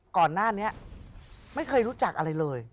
ก่อนหน้านี้ไม่เคยรู้จักอะไรเลย